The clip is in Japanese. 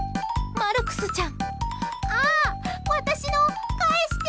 マルクちゃん！